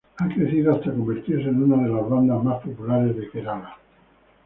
Ha crecido hasta convertirse en una de las bandas más populares de Kerala.